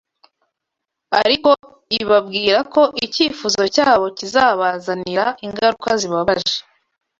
ariko ibabwira ko icyifuzo cyabo kizabazanira ingaruka zibabaje